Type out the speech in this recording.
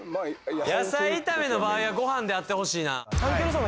野菜炒めの場合はご飯であってほしいな